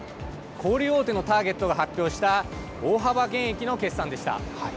小売り大手のターゲットが発表した大幅減益の決算でした。